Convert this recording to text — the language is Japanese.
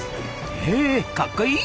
へかっこいい！